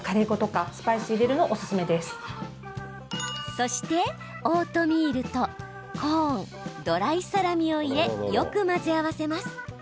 そして、オートミールとコーン、ドライサラミを入れよく混ぜ合わせます。